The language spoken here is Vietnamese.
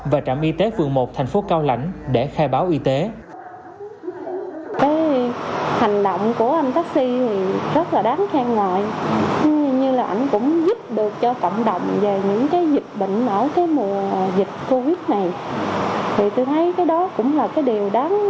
và trạm y tế phường một thành phố cao lãnh để khai báo y tế